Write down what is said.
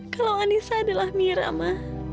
kalau anissa adalah mira ma